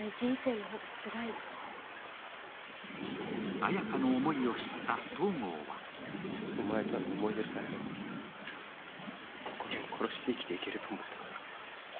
綾華の思いを知った東郷はお前との思い出さえあれば心を殺していけると思った。